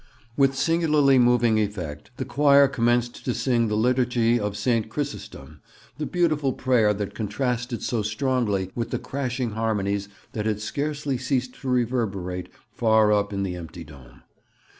With singularly moving effect the choir commenced to sing the Liturgy of St. Chrysostom, the beautiful prayer that contrasted so strongly with the crashing harmonies that had scarcely ceased to reverberate far up in the empty dome.